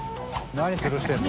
何つるしてるの？